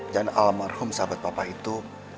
dan alam merhom sahabat papa itu